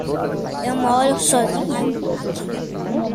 Eu moro sozinha aqui.